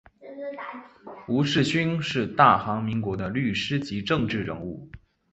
吴世勋是大韩民国的律师及政治人物。